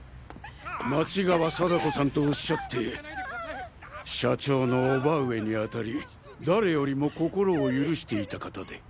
町側貞子さんとおっしゃって社長の叔母上にあたり誰よりも心を許していた方で。